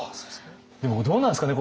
でもどうなんですかね